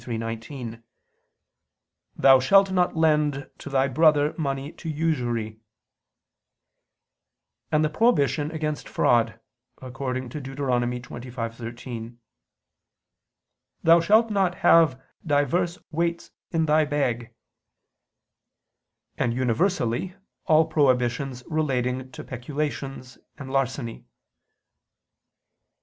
23:19: "Thou shalt not lend to thy brother money to usury"; and the prohibition against fraud, according to Deut. 25:13: "Thou shalt not have divers weights in thy bag"; and universally all prohibitions relating to peculations and larceny.